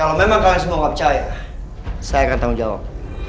kalau memang kalian semua nggak percaya saya akan tanggung jawab